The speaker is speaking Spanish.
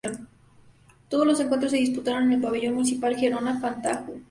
Todos los encuentros se disputaron en el Pabellón Municipal Gerona-Fontajau.